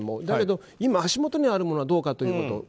だけど今、足元にあるものはどうかということ。